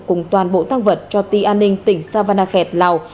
cùng toàn bộ tăng vật cho tỉ an ninh tỉnh savannakhet lào